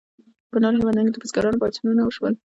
په نورو هیوادونو کې د بزګرانو پاڅونونه وشول.